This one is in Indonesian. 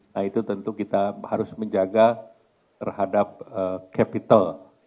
nah itu tentu kita harus menjaga terhadap capital